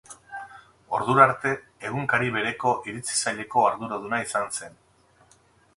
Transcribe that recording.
Ordura arte, egunkari bereko iritzi saileko arduraduna izan zen.